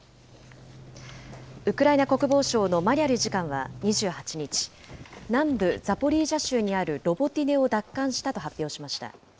ウクライナ国防省のマリャル次官は２８日、南部ザポリージャ州にあるロボティネを奪還したと発表しました。